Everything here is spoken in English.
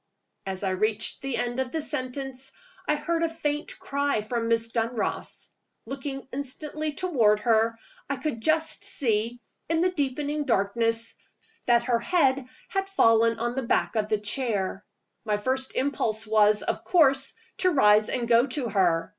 As I reached the end of the sentence, I heard a faint cry from Miss Dunross. Looking instantly toward her, I could just see, in the deepening darkness, t hat her head had fallen on the back of the chair. My first impulse was, of course, to rise and go to her.